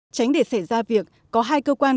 tránh để xảy ra việc có hai cơ quan